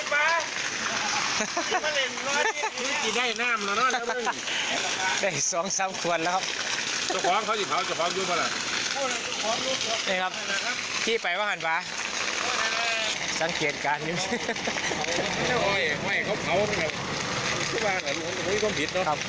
ป่าได้สองสามควรแล้วครับ